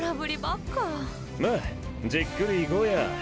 まじっくりいこうや。